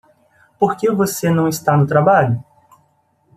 Por que você não está no trabalho?